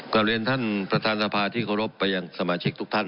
เรียนท่านประธานสภาที่เคารพไปยังสมาชิกทุกท่าน